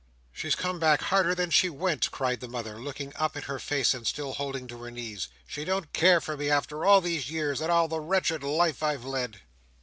"She's come back harder than she went!" cried the mother, looking up in her face, and still holding to her knees. "She don't care for me! after all these years, and all the wretched life I've led!"